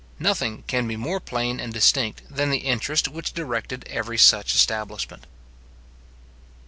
Nothing can be more plain and distinct than the interest which directed every such establishment.